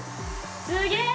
すげえ！